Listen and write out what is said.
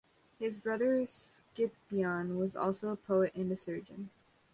His brother Scipion was also a poet and a surgeon.